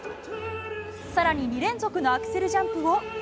さらに２連続のアクセルジャンプを。